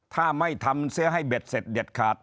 ถ้าไม่ทำเสียให้เบ็ดเสร็จเด็ดขาด